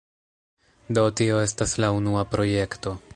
Do, tio estas la unua projekto